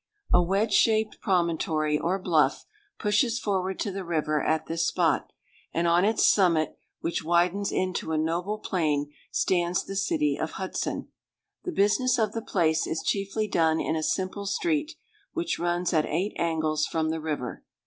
A wedge shaped promontory, or bluff, pushes forward to the river at this spot; and on its summit, which widens into a noble plain, stands the city of Hudson. The business of the place is chiefly done in a simple street, which runs at eight angles from the river.